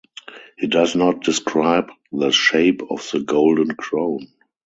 He does not describe the shape of the golden crown.